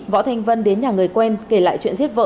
võ thành vân đến nhà người quen kể lại chuyện giết vợ